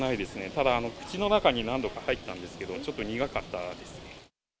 ただ、口の中に何度か入ったんですけど、ちょっと苦かったです。